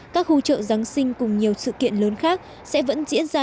các khu chợ giáng sinh cùng nhiều sự kiện lớn khác sẽ vẫn diễn ra